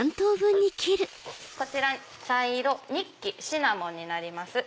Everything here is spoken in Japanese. こちら茶色ニッキシナモンになります。